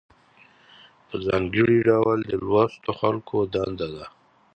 په ځانګړي ډول د لوستو خلکو دنده ده.